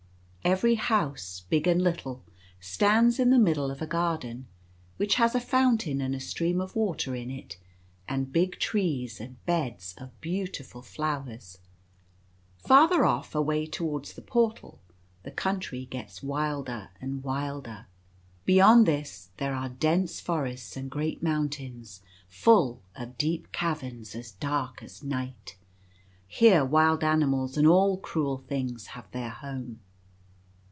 Every house, big and little, stands in the middle of a garden, which has a fountain and a stream of water in it, and big trees, and beds of beautiful flowers. Farther off, away towards the Portal, the country gets wilder and wilder. Beyond this there are dense forests and great mountains full of deep caverns, as dark as night. Here wild animals and all cruel things have their home.